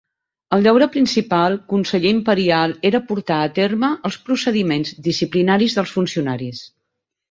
El deure principal conseller imperial era portar a terme els procediments disciplinaris dels funcionaris.